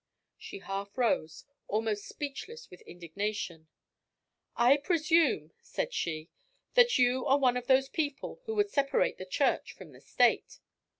She half rose, almost speechless with indignation. "I presume," said she, "that you are one of those people who would separate the Church from the State?"